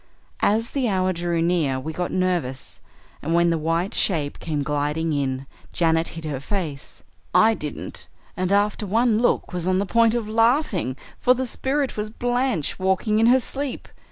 As the hour drew near we got nervous, and when the white shape came gliding in Janet hid her face. I didn't, and after one look was on the point of laughing, for the spirit was Blanche walking in her sleep.